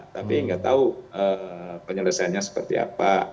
tapi nggak tahu penyelesaiannya seperti apa